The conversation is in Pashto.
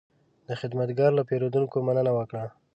دا خدمتګر له پیرودونکو مننه وکړه.